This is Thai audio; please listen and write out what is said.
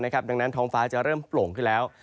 ดังนั้นท้องฟ้าจะเริ่มโปร่งขึ้นแล้ว